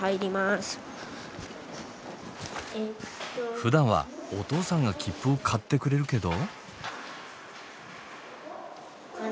ふだんはお父さんが切符を買ってくれるけど。